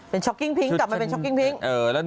เป็นช็อกกิ้งพิ้งกลับมาเป็นช็อกกิ้งพิ้ง